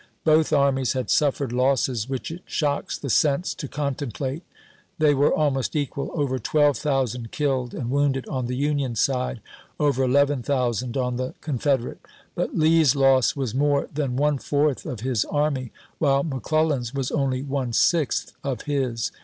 Both armies had suffered losses which it shocks the sense to contemplate. They were almost equal — over 12,000 killed and wounded on the Union side, over 11,000 on the Confederate ;^ but Lee's loss was more than one fourth of his army, while McClel lan's was only one sixth of his.